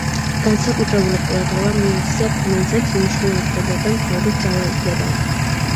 განსაკუთრებული ყურადღება მიაქცია ფინანსებს, მნიშვნელოვნად გაზარდა მთავრის ძალაუფლება.